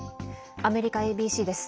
アメリカＡＢＣです。